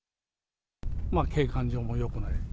景観上もよくない。